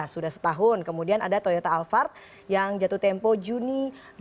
sudah setahun kemudian ada toyota alphard yang jatuh tempo juni